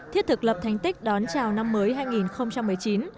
thiết thực lập thành tích đón chào năm mới hai nghìn một mươi chín